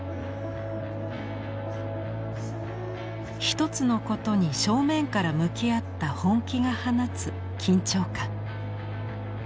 一つのことに正面から向き合った本気が放つ緊張感。